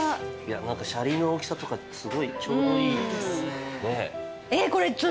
何かシャリの大きさとかすごいちょうどいい。